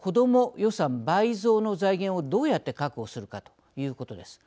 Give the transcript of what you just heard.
予算倍増の財源をどうやって確保するかということです。